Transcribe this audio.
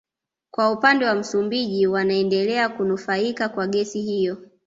Kwa upande wa Msumbiji wanaendelea kunufaika kwa gesi hiyo